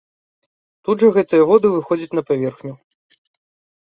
Тут жа гэтыя воды выходзяць на паверхню!